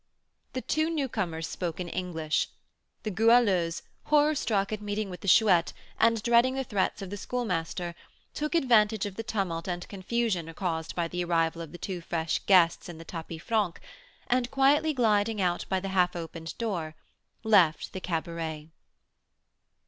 The two newcomers spoke in English. The Goualeuse, horror struck at meeting with the Chouette, and dreading the threats of the Schoolmaster, took advantage of the tumult and confusion caused by the arrival of the two fresh guests in the tapis franc, and, quietly gliding out by the half opened door, left the cabaret.